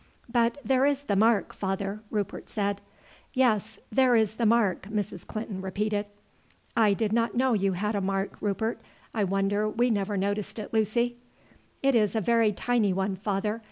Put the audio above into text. "But there is the mark, father," Rupert said. "Yes, there is the mark," Mrs. Clinton repeated. "I did not know you had a mark, Rupert. I wonder we never noticed it, Lucy." "It is a very tiny one, father.